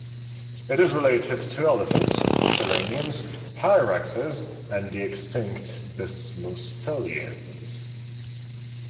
It is related to elephants, sirenians, hyraxes and the extinct desmostylians.